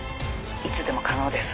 「いつでも可能です。